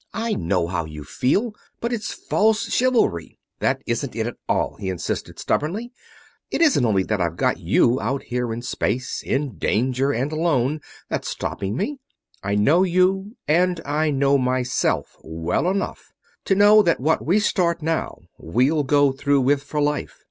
"I know how you feel, but it's false chivalry." "That isn't it, at all," he insisted, stubbornly. "It isn't only that I've got you out here in space, in danger and alone, that's stopping me. I know you and I know myself well enough to know that what we start now we'll go through with for life.